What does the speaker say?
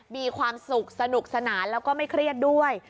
มีความสุขสนุกสนานแล้วก็ไม่เครียดด้วย